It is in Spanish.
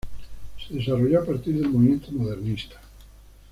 Se desarrolló a partir del movimiento modernista.